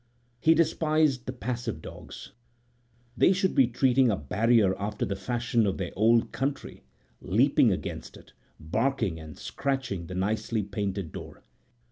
He despised the passive dogs. They should be treating a barrier after the fashion of their old country, leaping against it, barking, and scratching the nicely painted door.